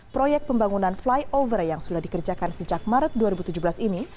proyek pembangunan flyover yang sudah dikerjakan sejak maret dua ribu tujuh belas ini